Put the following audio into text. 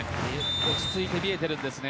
落ち着いて見えているんですね。